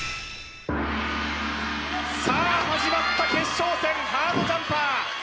さあ始まった決勝戦ハードジャンパー